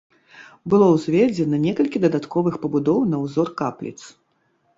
Было ўзведзена некалькі дадатковых пабудоў на ўзор капліц.